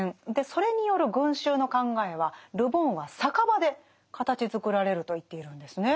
それによる群衆の考えはル・ボンは酒場で形づくられると言っているんですね。